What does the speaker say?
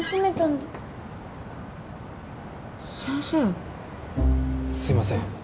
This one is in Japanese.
すみません